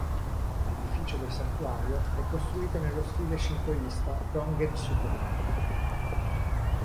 L'edificio del santuario è costruito nello stile shintoista "gongen-zukuri".